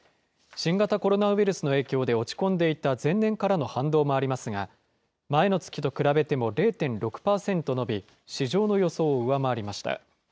新型コロナウイルスの影響で落ち込んでいた前年からの反動もありますが、前の月と比べても０．６％伸び、市場の予想を上回りました。